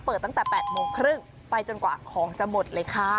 ตั้งแต่๘โมงครึ่งไปจนกว่าของจะหมดเลยค่ะ